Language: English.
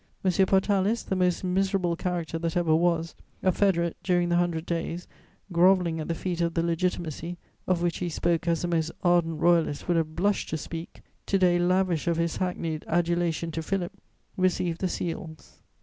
M. Portalis, the most miserable character that ever was, a Federate during the Hundred Days, grovelling at the feet of the Legitimacy, of which he spoke as the most ardent Royalist would have blushed to speak, to day lavish of his hackneyed adulation to Philip, received the Seals.